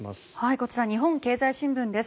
こちらは日本経済新聞です。